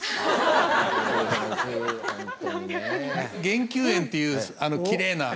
玄宮園っていうきれいな。